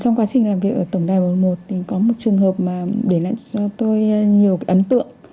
trong quá trình làm việc ở tổng đài một mươi một thì có một trường hợp mà để lại cho tôi nhiều cái ấn tượng